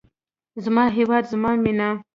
زما هیواد زما مینه.